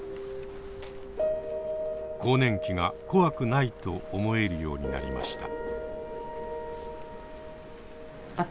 更年期が怖くないと思えるようになりました。